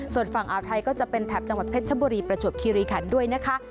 ส่วนฝั่งอ่าวไทยก็จะเป็นแถบจังหวัดเพชรชบุรีประจวบคิริขันด้วยนะคะ